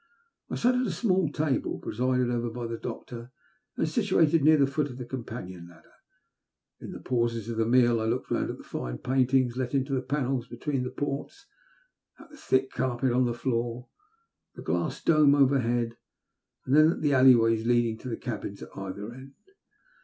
I sat at a small table presided over by the doctor, and situated near the foot of the companion ladder. In the pauses of the meal I looked round at the fine paintings let into the panels between the ports, at the thick carpet upon the floor, the glass dome overhead, and then at the alley ways leading to the cabins at either end.